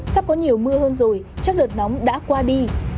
sắp có nhiều mưa hơn rồi chắc đợt nóng đã qua đi